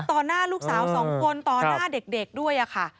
หน้าลูกสาวสองคนต่อหน้าเด็กด้วยค่ะ